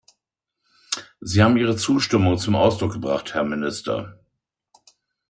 Sie haben Ihre Zustimmung zum Ausdruck gebracht, Herr Minister.